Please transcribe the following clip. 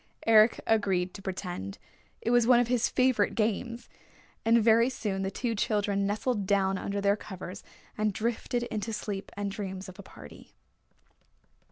Eric agreed to pretend. It was one of his favorite games. And very soon the two children nestled down under their covers and drifted into sleep and dreams of a party.